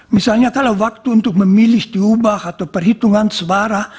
misalnya kalau waktu untuk memilih diubah atau perhitungan sebara